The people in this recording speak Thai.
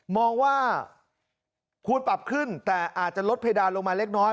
มองว่าควรปรับขึ้นแต่อาจจะลดเพดานลงมาเล็กน้อย